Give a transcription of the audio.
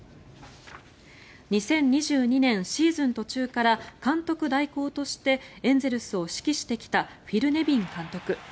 ２０２２年シーズン途中から監督代行としてエンゼルスを指揮してきたフィル・ネビン監督。